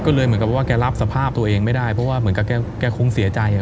ก็เลยเหมือนกับว่าแกรับสภาพตัวเองไม่ได้เพราะว่าเหมือนกับแกคงเสียใจ